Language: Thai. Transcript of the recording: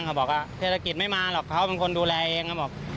เขาบอกเทศกิจไม่มาหรอกเขามันคนดูแลเอง